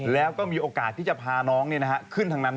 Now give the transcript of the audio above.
และก็มีโอกาสที่จะพาน้องเนี่ยขึ้นทางนั้นด้วย